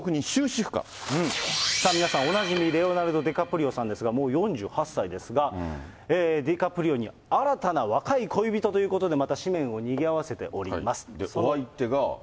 皆さんおなじみ、レオナルド・ディカプリオさんですが、もう４８歳ですが、ディカプリオに新たな若い恋人ということで、また紙面をにぎわせお相手が。